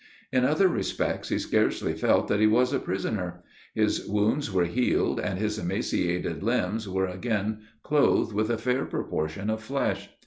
In other respects he scarcely felt that he was a prisoner. His wounds were healed, and his emaciated limbs were again clothed with a fair proportion of flesh.